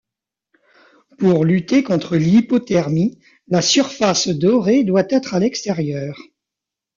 Pour lutter contre l'hypothermie, la surface dorée doit être à l'extérieur.